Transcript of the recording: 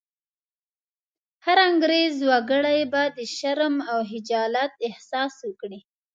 هر انګرېز وګړی به د شرم او خجالت احساس وکړي.